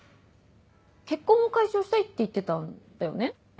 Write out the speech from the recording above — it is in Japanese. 「結婚を解消したい」って言ってたんだよね？